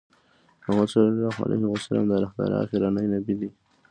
محمد صلی الله عليه وسلم د الله تعالی آخرنی نبی دی